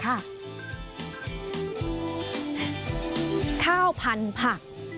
ข้าวพันผัก